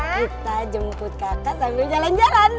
kita jemput kakak sambil jalan jalan